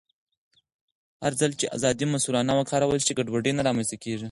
هرځل چې ازادي مسؤلانه وکارول شي، ګډوډي نه رامنځته کېږي.